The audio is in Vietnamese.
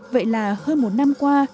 vậy là hơn một năm qua